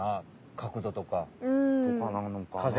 角度とか。とかなのかな？